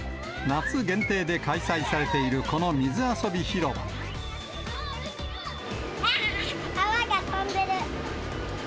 夏限定で開催されているこの泡が飛んでる。